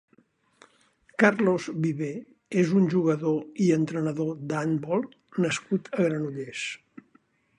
Carlos Viver és un jugador i entrenador d'handbol nascut a Granollers.